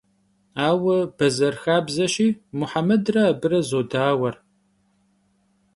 Aue, bezer xabzeşi, Muhemedre abıre zodauer.